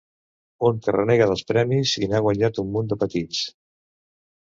Un que renega dels premis i n'ha guanyat un munt de petits.